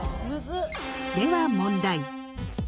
では問題。